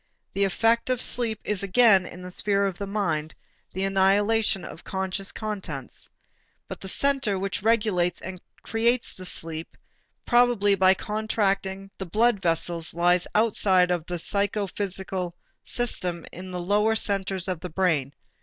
The effect of sleep is again in the sphere of the mind, the annihilation of conscious contents. But the center which regulates and creates the sleep, probably by contracting the blood vessels, lies outside of the psychophysical system in the lower centers of the brain.